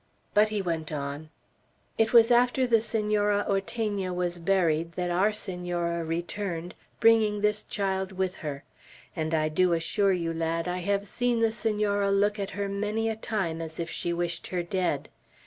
But he went on: "It was after the Senora Ortegna was buried, that our Senora returned, bringing this child with her; and I do assure you, lad, I have seen the Senora look at her many a time as if she wished her dead.